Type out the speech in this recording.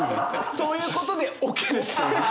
そういうことでオッケーです。